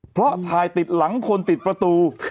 เพราะถ่ายติดหลังคนติดประตู